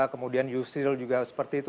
kemudian yusril juga seperti itu